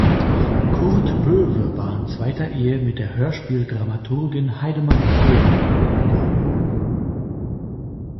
Kurt Böwe war in zweiter Ehe mit der Hörspiel-Dramaturgin Heidemarie Böwe, geb.